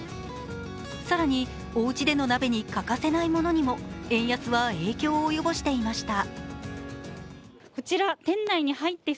更に、おうちでの鍋に欠かせないものにも円安は影響を及ぼしていました。